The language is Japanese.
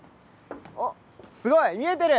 すごい！見えてる。